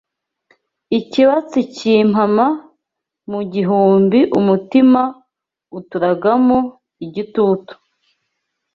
Ikibatsi kimpama mu gihumbi Umutima uturagaramo igitutu